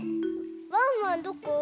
ワンワンどこ？